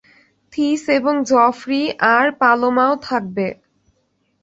This এবং জফরি, আর পালোমাও থাকবে।